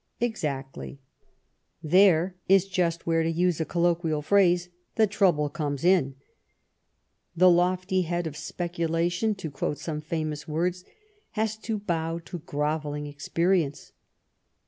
Exactly. There is just where, to use a colloquial phrase, the trouble comes in. The lofty head of speculation, to quote some famous w^ords, has to bow to grovelling experience.